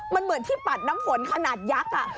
มันเหมือนที่ปัดน้ำฝนขนาดยักษ์